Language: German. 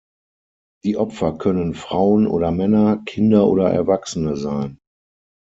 Die Opfer können Frauen oder Männer, Kinder oder Erwachsene sein.